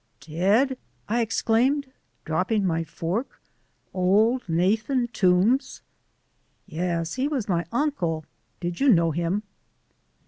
"Dead!" I exclaimed, dropping my fork; "old Nathan Toombs!" "Yes, he was my uncle. Did you know him?"